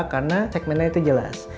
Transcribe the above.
karena segmennya itu jelas